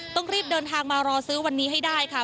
ต้องรีบเดินทางมารอซื้อวันนี้ให้ได้ค่ะ